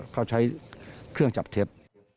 เขาใช้เครื่องจับเท็จ